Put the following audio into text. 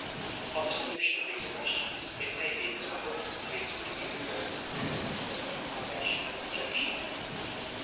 On the solution of these questions it may be that our hopes and fears for the universe depend for their confirmation or rejection.